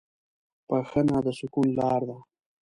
بښنه د سکون لاره ده.